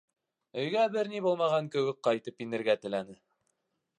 Өйгә бер ни булмаған кеүек ҡайтып инергә теләне.